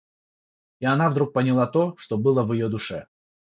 И она вдруг поняла то, что было в ее душе.